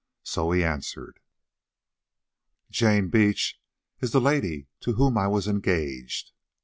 So he answered: "Jane Beach is the lady to whom I was engaged."